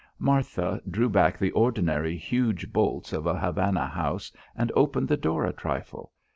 Martha drew back the ordinary huge bolts of a Havana house and opened the door a trifle.